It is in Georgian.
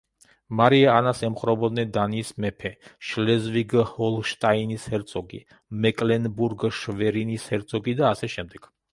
მარია ანას ემხრობოდნენ დანიის მეფე, შლეზვიგ-ჰოლშტაინის ჰერცოგი, მეკლენბურგ-შვერინის ჰერცოგი და ასე შემდეგ.